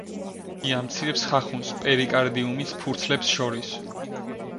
იგი ამცირებს ხახუნს პერიკარდიუმის ფურცლებს შორის.